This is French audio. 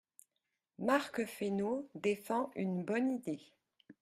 Marc Fesneau défend une bonne idée.